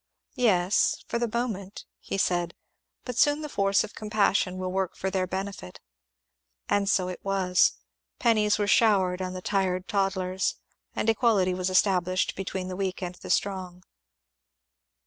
Yes, for the moment," he said, ^^ but soon the force of compassion will work for their benefit." And so it was ; pennies were showered on the tired toddlers, and equality was established between the weak and the strong.